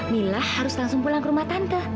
mila harus langsung pulang ke rumah tangga